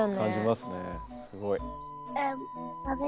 すごい。